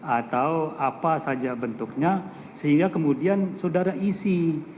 atau apa saja bentuknya sehingga kemudian saudara isi